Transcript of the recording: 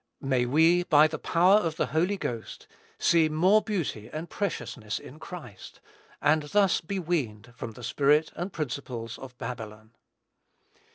May we, by the power of the Holy Ghost, see more beauty and preciousness in Christ, and thus be weaned from the spirit and principles of Babylon.